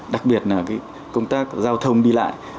đặc biệt là công tác giao thông đi lại